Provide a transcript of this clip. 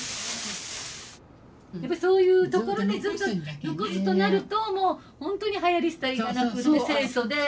やっぱそういうところでずっと残すとなるともうほんとにはやり廃りがなくて清楚で。